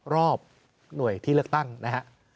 รอบหน่วยที่เลือกตั้งนะฮะ